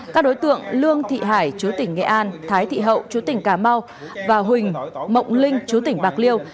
các đối tượng lương thị hải chú tỉnh nghệ an thái thị hậu chú tỉnh cà mau và huỳnh mộng linh chú tỉnh bạc liêu